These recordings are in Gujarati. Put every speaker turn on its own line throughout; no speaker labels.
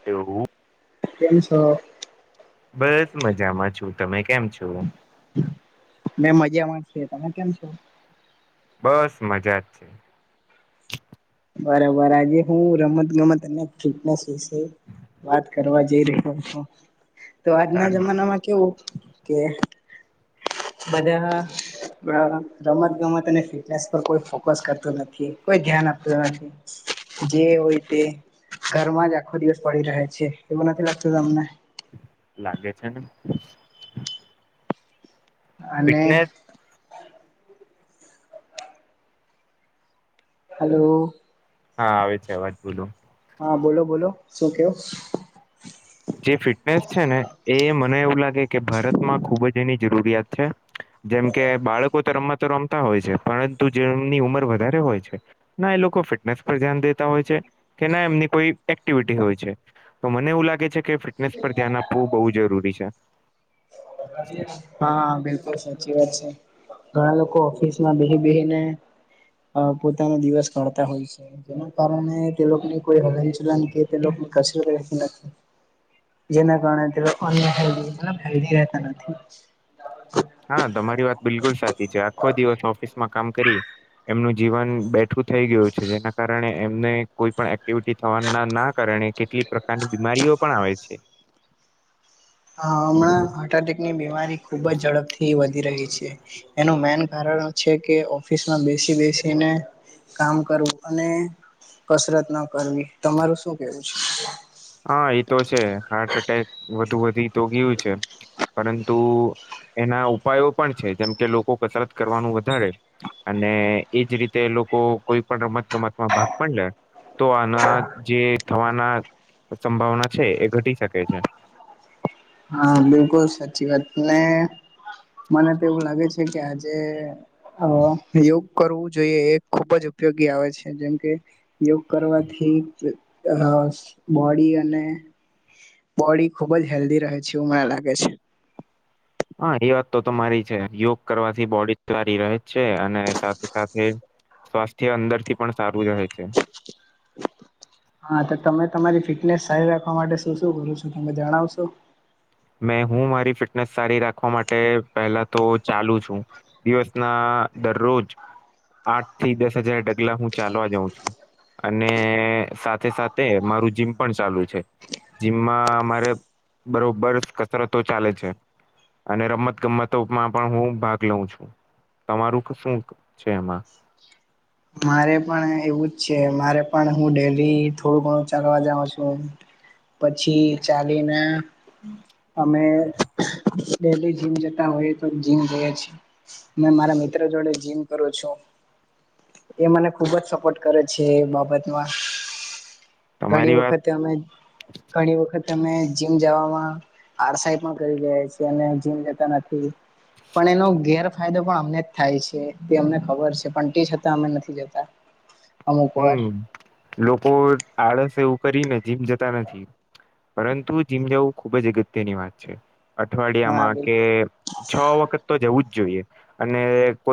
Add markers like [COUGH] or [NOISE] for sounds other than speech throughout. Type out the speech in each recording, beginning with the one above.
[UNINTELLIGIBLE]
કેમ છો?
બસ મજામાં છું, તમે કેમ છો?
મેં મજામાં છે, તમે કેમ છો?
બસ મજા જ છે.
બરોબર. આજે હું રમત ગમત અને ફિટનેસ વિશે વાત કરવા જઈ રહ્યા છું, તો આજના
સારું
જમાનામાં કેવું કે બધાના બરાબર રમત ગમત અને ફિટનેસ પર કોઈ ફોકસ કરતું નથી, કોઈ ધ્યાન આપ તું નથી, જે હોય તે ઘરમાં જ આખો દિવસ પડી રહે છે, એવું નથી લાગતું તમને?
લાગે છે ને
અને
ફિટનેસ
હલો
હા આવે છે, અવાજ બોલો
હા બોલો બોલો શું કેવો?
જે ફિટનેસ છે, ને એ મને એવું લાગે કે ભારતમાં ખુબ જ એની જરૂરિયાત છે. જેમકે બાળકો તો રમવા તો રમતા હોય છે, પરંતુ જેમની ઉંમર વધારે હોય છે. ના એ લોકો ફિટનેસ પર ધ્યાન દેતા હોય છે, કે ના એમની કોઈ એક્ટિવિટી હોય છે. તો મને એવું લાગે છે, કે ફિટનેસ પર ધ્યાન આપવું બો જરૂરી છે.
હા બિલકુલ સાચી વાત છે, ઘણા લોકો ઓફિસમાં બેહી બહીને અ પોતાનો દિવસ ગળતા હોય છે. જેના કારણે તેલોકની કોઈ હલ વિચલન કે તેની [UNINTELLIGIBLE] નથી જેના કારણે તે લોકો અન હેલધી અન હેલધી રહેતા નથી
હા તમારી વાત બિલકુલ સાચી છે, આખો દિવસ ઓફિસમાં કામ કરી એમનું જીવન બેઠું થઈ ગયું છે, જેના કારણે એમને કોઈ પણ એક્ટિવિટી થવા ના ના કારણે કેટલીક પ્રકારની બીમારીઓ પણ આવે છે.
[INAUDIBLE] હ હમણાં હાર્ટ એટેકની બીમારી ખુબ જ ઝડપથી વધી રહી છે. એનું મેન કારણ છે, કે ઓફિસમાં બેસી બેસીને કામ કરવું અને કસરત ન કરવી તમારું શું કેવું છે?
હ એતો છે, હાર્ટ એટેક વધુ વધી તો ગીયું છે. પરંતુ એના ઉપાયો પણ છે, જેમ કે લોકો કસરત કરવાનું વધારે અને એજ રીતે લોકો કોઈ પણ રમત ગમતમાં ભાગ પણ લે તો આના જે થવાના સંભાવના છે, એ ઘટી શકે છે.
હા બિલકુલ સાચી વાત ને મને તો એવું લાગે છે, કે આજે [UNINTELLIGIBLE] યોગ કરવું જોઈએ એ ખુબ જ ઉપયોગી આવે છે, જેમ કે યોગ કરવાથી હ બોડી અને બોડી ખુબ જ હેલ્ધી રહે છે, એવું મને લાગે છે.
હા એ વાત તો તમારી છે, યોગ કરવાથી બોડી સારી રહે જ છે, અને સાથે સાથે સ્વાસ્થ્ય અંદરથી પણ સારું રહે છે.
હા તો તમે તમારી ફિટનેસ સારી રાખવા માટે શું શું કરો છો તમે જણાવશો?
મે હું મારી ફિટનેસ સારી રાખવા માટે પેલા તો ચાલુ છું દિવસના દરરોજ આઠ થી દસ હજાર ડગલા હું ચાલવા જાઉં છું અને સાથે સાથે મારું જીમ પણ ચાલુ છે. જીમમાં અમારે બરોબર કસરતો ચાલે છે, અને રમત ગમતોમાં પણ હું ભાગ લઉં છું‌. તમારું શું છે, એમાં
મારે પણ એવું જ છે, મારે પણ હું ડેલી થોડું ઘણું ચાલવા જાઉં છું. પછી ચાલીને અમે ડેલી જીમ જતા હોઈ તો જીમ જએ છે. મે મારા મિત્ર જોડે જીમ કરું છું એ મને ખુબ જ સપોર્ટ કરે છે, એ બાબતમાં ઘણી
તમારી વાત
વખતે અમે ઘણી વખત તમે જીમ જાવામાં આળસાઈ પણ કરી જાયે છે, અને જીમ જતા નથી. પણ એનો ગેરફાયદો પણ અમને થાય છે, તે અમને ખબર છે, પણ તે છ તા અમે નથી જતા અમુક વાર
હું લોકો આળસ એવું કરીને જીમ જતા નથી પરંતુ જીમ જવું ખુબ જ અગત્યની વાત છે.
હા
અઠવાડિયામાં કે
બિલકુલ
છ વખત તો જવું જ જોઈએ, અને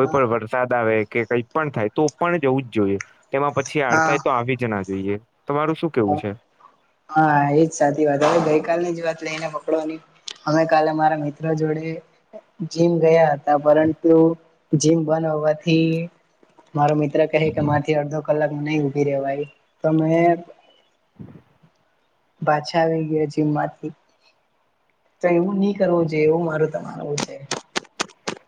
હા
વષૅ વરસાદ આવે કે કંઈ પણ થાય તો પણ જવું જ જોઈએ તેમાં પછી આડ થાયતો
હા
આવી જના. જોઈએ તમારું શું. કેવું છે
હા, એજ સાચી વાત હવે ગઈકાલની જ વાત લઈને પકડવાની. અમે કાલે મારા મિત્ર જોડે જીમ ગયા હતા. ના પરંતુ જીમ બંધ હોવાથી મારો મિત્ર કહે કે, માંથી અડધો કલાક નહીં ઊભી રેવાય તમે. પાછા આવી ગયા જીમમાંથી. તો એવું નહી કરવું જોઈએ એવું મારું તો માનવું છે.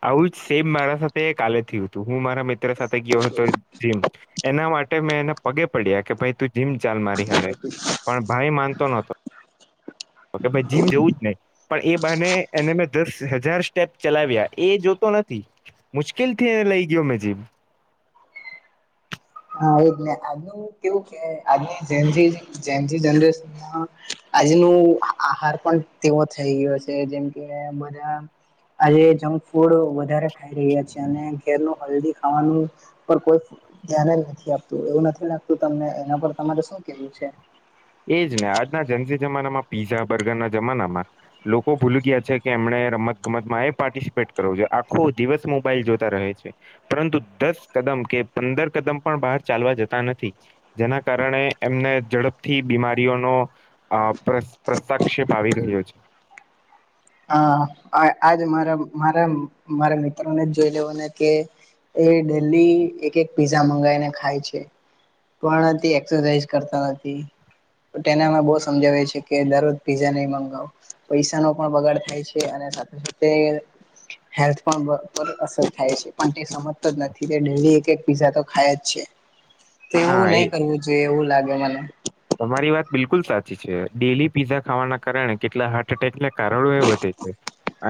આવું જ સેમ મારા સાથે કાલે થયું હતું હું મારા મિત્ર સાથે ગયો હતો, જીમ એના માટે મેં એને પગે પડ્યા કે ભાઈ તું જીમ ચાલ મારી હારે. પણ ભાઈ માનતો નહોતો. તો ભાઈ જીમ જેવું જ નહીં. પણ એ બાને એને મેં દસ હજાર સ્ટેપ ચલાવ્યા એ જોતો નથી. મુશ્કેલથી એને લઈ ગયો જીમ.
હા એજને આજનું કેવું કે આજની જે જે જે જનરેશન. હા આજનું આહાર પણ તેવો થઈ ગયો છે, જેમ કે બધા. આજે જંક ફૂડ વધારે ખાઈ રહ્યા છે, અને ઘરનું હેલ્ઘી ખાવાનું. પર કોઈ ધ્યાન જ નથી આપતું એવું નથી લાગતું તમને એના પર તમારે શું કેવું છે.
એજ ને આજના જનસી જમાનામાં પીઝા બર્ગરના જમાનામાં, લોકો ભૂલ ગયા છે કે એમણે રમત ગમતમાં એ પાર્ટિસિપેટ કરવો જોઈએ આખો દિવસ મોબાઈલ જોતા રહે છે. પરંતુ દસ કદમ કે પંદર કદમ પણ બહાર ચાલવા જતા નથી. જેના કારણે એમને ઝડપ થી બીમારીઓનો અ પ્રસ્તક્ષેપ આવી રહ્યો છે.
હ આજ મારા મારા મારા મિત્રોને જ જોઈ લેવાને કે એ ડેલી એક એક પીઝા મંગાવીને ખાય છે. પણ એક્સરસાઇઝ કરતા નથી. તેના માં બહુ સમજાવે છે કે દરરોજ પીઝા નહીં મંગાવો પૈસાનો પણ બગાડ થાય છે અને સાથે સાથે હેલ્થ પણ અસર થાય છે પણ તે સમજતો જ નથી તે ડલી એક એક પીઝા તો ખાય જ છે. તો
હા
એવું
એ
નહી કરવું જોઈએ એવું લાગે મને
તમારી વાત બિલકુલ સાચી છે ડેલી પીઝા ખાવાના કારણે કેટલા હાર્ટ એટેકને કારણો એ બધી છે.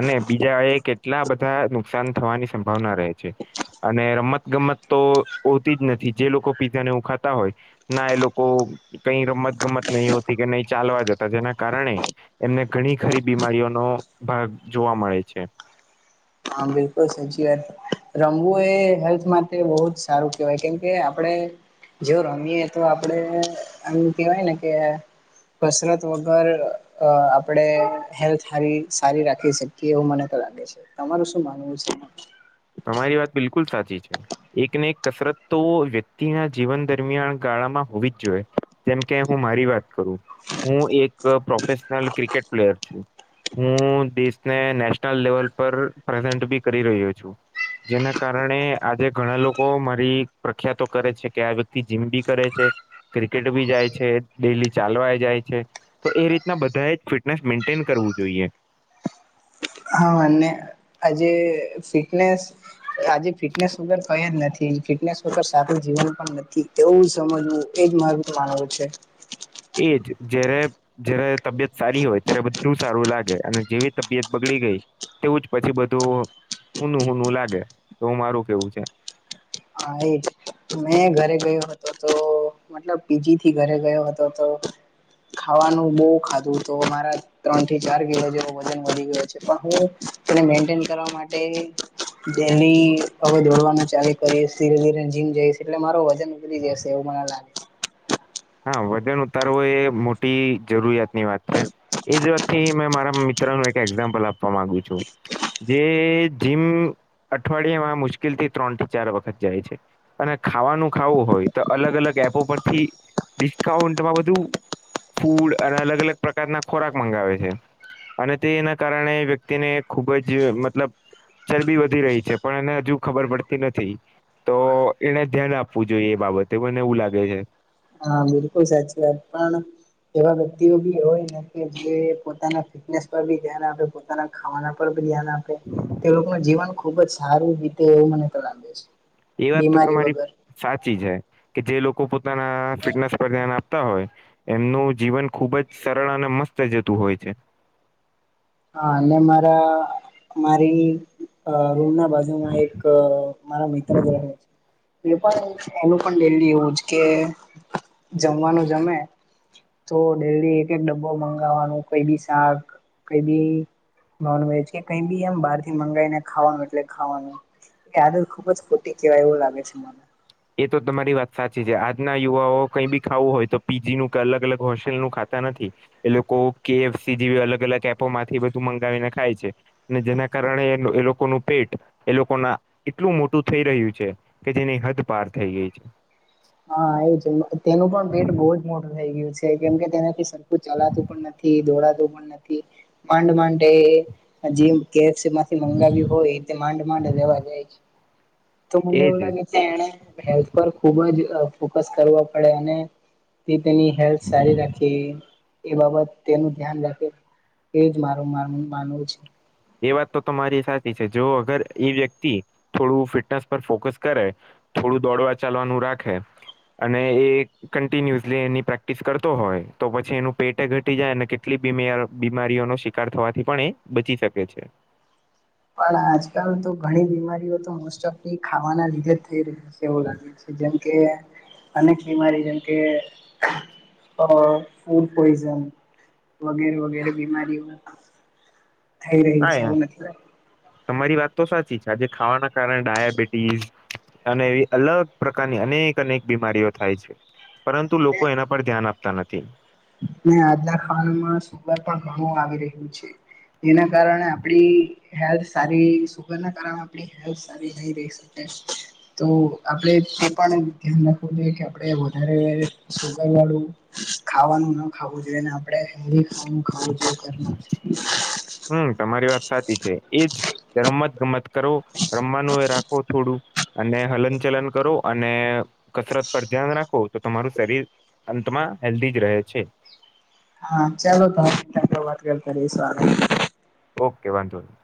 અને બીજા એ કેટલા બધા નુકસાન થવાની સંભાવના રહે છે. અને રમત ગમત તો હોતી જ નથી જે લોકો પીઝા ને એવું ખાતા હોય ના એ લોકો કઈ રમત ગમત નહી હોતી કે નહી ચાલવા જતા જેના કારણે એમને ઘણી ખરી બીમારીઓનો ભાગ જોવા મળે છે.
હા બિલકુલ સાચી વાત રમવું એ હેલ્થ માટે બહુ જ સારું કેહેવાય કેમકે આપડણે જો રમીએ તો આપડે આમ કેહેવાય ને કે કસરત વગર આપણેે હેલ્થારી સારી રાખી શકીએ. એવું મને તો લાગે છે તમારું શું માનવું છે.
તમારી વાત બિલકુલ સાચી છે. એકને એક કસરત તો વ્યક્તિના જીવન દરમિયાન ગાળામાં હોવી જ જોઈએ. જેમ કે હું મારી વાત કરું હું એક પ્રોફેશનલ ક્રિકેટ પ્લેયર છું હું દેશને નેશનલ લેવલ પર પ્રેઝન્ટ બી કરી રહ્યો છું જેના કારણે આજે ઘણા લોકો મારી પ્રખ્યાતો કરે છે, કે આ વ્યક્તિ જીમ બી કરે છે. ક્રિકેટ બી જાય છે, ડેલી ચાલવાય જાય છે. તો એ રીતના બધાએ ફિટનેસ મેન્ટેન કરવું જોઈએ
હ ને આજે ફિટનેસ આજે ફિટનેસ વગર કઈ જ નથી ફિટનેસ વગર સારું જીવન પણ નથી. તેવું સમજવું એ જ મારુ માનવું છે.
એજ જયારે જયારે તબિયત સારી હોય ત્યારે બધું સારું લાગે અને જેવી તબિયત બગડી ગઈ તેવું જ પછી બધું હુનું હુનું લાગે એવું મારું કેવું છે.
હા એ જ મેં ઘરે ગયો હતો તો મતલબ પીજી થી ઘરે ગયો હતો તો ખાવાનું બો ખાધું તો મારા ત્રણ થી ચાર કિલો જેવું વજન વધી ગયો છે, પણ હું તેને મેન્ટેન કરવા માટે ડેલી અવે દોડવાનું ચાલી કરીએ ધીરે ધીરે જીમ જઈશ એટલે મારો વજન ઉતરી જશે એવું મને લાગે
હા વજન ઉતારવું એ મોટી જરૂરિયાતની વાત છે. એ જ વાતથી મેં મારા મિત્રનુ એક એક્ઝામ્પલ આપવા માંગુ છું જે જીમ અઠવાડયેમાં મુશ્કેલ થી ત્રણ થી ચાર વખત જાય છે. અને ખાવાનું ખાવું હોય તો અલગ અલગ એપો પરથી ડિસ્કાઉન્ટમાં બધું ફૂડ અને અલગ અલગ પ્રકારના ખોરાક મંગાવે છે. અને તે એના કારણે વ્યક્તિને ખૂબ જ મતલબ ચરબી વધી રહી છે, પણ એને હજુ ખબર પડતી નથી તો એને ધ્યાન આપવું જોઈએ એ બાબતે મને એવું લાગે છે.
હા બિલકુલ સાચી પણ એવા વ્યક્તિઓ બી હોય ને કે જે પોતાના ફિટનેસ પર બી ધ્યાન આપે પોતાના ખાવાના પર ધ્યાન આપે તે લોકોનુ જીવન ખુબ જ સારું વીતે એવું મને તો લાગે છે.
એ વાત તો
બીમારી
તમારી
વગર
સાચી છે, કે જે લોકો પોતાના ફિટનેસ પર ધ્યાન આપતા હોય એમનું જીવન ખુબ જ સરળ અને મસ્ત જતું હોય છે.
હા અને મારા મારી અ [UNINTELLIGIBLE] બાજુમાં એક મારા મિત્ર જ રહે છે. તે પણ એનું પણ ડેલી એવું જ કે જમવાનું જમે તો ડેલી એક એક ડબ્બો મંગાવવાનું કોઈ બી શાક કઈ બી નોનવેજ કે કઈ બી એમ બહારથી મંગાવીને ખાવાનું એટલે ખાવાનું આદત ખુબ જ ખોટી કહેવાય એવું લાગે છે, મને
એ તો તમારી વાત સાચી છે, આજના યુવાઓ કઈ બી ખાવું હોય તો પીજી નું અલગ અલગ હોસ્ટેલ નું ખાતા નથી એલોકો કેએફસી જેવી અલગ અલગ એપોમાંથી બધું મંગાવીને ખાય છે. ને જેના કારણે એ લોકોનું પેટ એ લોકો ના એટલું મોટું થઈ રહ્યું છે. કે જેની હદ પાર થઈ ગઈ છે.
હ એ જ તેનું પણ પેટ બો જ મોટું થઇ ગયું છે. કેમ કે તેનાથી સરખું ચલાતું પણ નથી દોડાતું પણ નથી માંડ માંડ તે જેમ કેએફસી માંથી મંગાવ્યું હોય તે માંડ માંડ લેવા જાય છે. તો મને એવું
એજ
લાગે છે, એણે હેલ્થ પર ખુબ જ ફોકસ કરવો પડે અને તે તેની હેલ્થ સારી રાખે એ બાબત તેનું ધ્યાન રાખે એજ મારું માનવું માનવું છે.
એ વાત તો તમારી સાચી છે જો અગર એ વ્યક્તિ થોડું ફિટનેસ પર ફોકસ કરે થોડું દોડવા ચાલવાનું રાખે અને એ કન્ટિન્યુઅસલી એની પ્રેક્ટિસ કરતો હોય તો પછી એનું પેટે ઘટી જાય અને કેટલી [UNINTELLIGIBLE] બીમારીઓ શિક કાર થવાથી પણ એ બચી શકે છે.
પણ આજકાલ તો ઘણી બીમારીઓ તો મોસ્ટ ઓફની ખાવાના લીધે જ થઈ રહી. એવું લાગ્યું છે જેમકે અનેક બીમારી જેમ કે અ ફૂડ પોઈઝન વગેરે વગેરે બીમારીઓ થઈ રહી
હા
છે
યાર
એવું મતલબ
તમારી વાત તો સાચી છે આજે ખાવાના કારણે ડાયાબિટીસ અને એવી અલગ પ્રકારની અનેક અનેક બીમારીઓ થાય છે પરંતુ લોકો એના પર ધ્યાન આપતા નથી.
ને આજ ના ખાવામાં સુગર પણ ઘણું આવી રહ્યું છે. એના કારણે આપણી હેલ્થ સારી સુગર ના કારણે આપણી હેલ્થ સારી નહી રહિ શકે. તો આપડે એ પણ ધ્યાન રાખવું જોઈએ કે આપડે વધારે સુગર વાળું ખાવુ નું ન ખાવુ જોઈએ અને આપડે હેલ્થી ખાવાનું ખાવું જોઈએ ઘરમાંથી.
હમ તમારી વાત સાચી છે એજ રમત ગમત કરો રમવાનું એ રાખો થોડું. અને હલન ચલન કરો અને કસરત પર ધ્યાન રાખો તો તમારું શરીર અંતમાં હેલ્ધી જ રહે છે.
હા ચાલો તો [INAUDIBLE] વાત કરીયે સારું.
ઓકે વાંધો નહી.